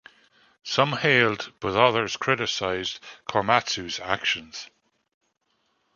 Some hailed, but others criticized, Korematsu's actions.